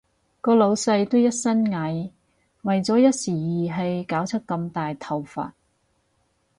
個老闆都一身蟻，為咗一時意氣搞出咁大頭佛